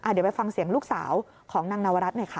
เดี๋ยวไปฟังเสียงลูกสาวของนางนวรัฐหน่อยค่ะ